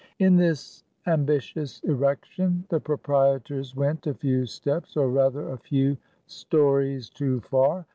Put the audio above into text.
In this ambitious erection the proprietors went a few steps, or rather a few stories, too far.